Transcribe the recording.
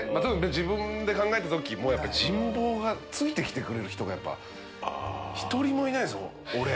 自分で考えた時も人望がついて来てくれる人がやっぱ１人もいないですもん俺。